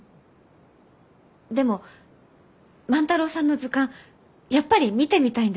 でも万太郎さんの図鑑やっぱり見てみたいんです。